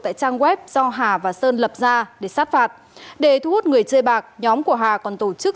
tại trang web do hà và sơn lập ra để sát phạt để thu hút người chơi bạc nhóm của hà còn tổ chức